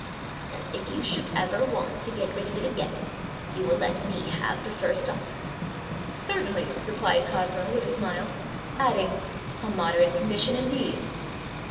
ãThat if you should ever want to get rid of it again, you will let me have the first offer.ã ãCertainly,ã replied Cosmo, with a smile; adding, ãa moderate condition indeed.